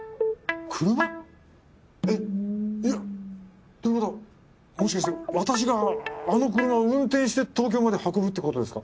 車？えっ？えっ？ということはもしかして私があの車を運転して東京まで運ぶってことですか？